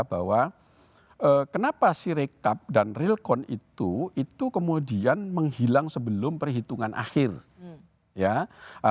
bahwa kenapa si rekap dan real con itu itu kemudian menghilang sebelum perhitungan akhir ya